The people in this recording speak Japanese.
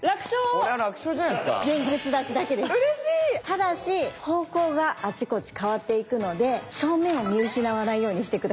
ただし方向があちこち変わっていくので正面を見失わないようにして下さい。